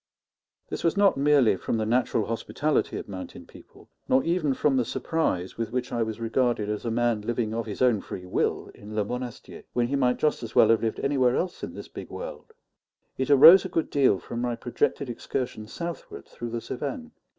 This was not merely from the natural hospitality of mountain people, nor even from the surprise with which I was regarded as a man living of his own free will in Le Monastier, when he might just as well have lived anywhere else in this big world; it arose a good deal from my projected excursion southward through the Cevennes.